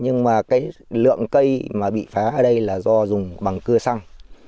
nhưng mà cái lượng cây mà bị phá ở đây là do dùng bằng cưa xăng